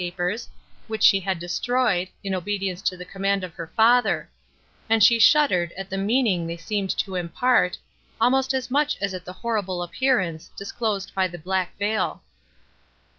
papers, which she had destroyed, in obedience to the command of her father; and she shuddered at the meaning they seemed to impart, almost as much as at the horrible appearance, disclosed by the black veil.